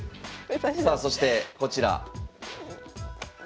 さあそしてこちら。